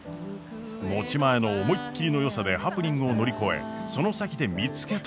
持ち前の思いっきりのよさでハプニングを乗り越えその先で見つけたもの。